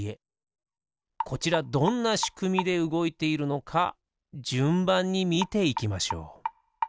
こちらどんなしくみでうごいているのかじゅんばんにみていきましょう。